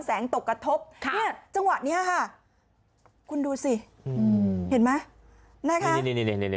แสงตกกระทบค่ะเนี้ยจังหวะเนี้ยค่ะคุณดูสิอืมเห็นไหมนี่นี่นี่นี่นี่นี่นี่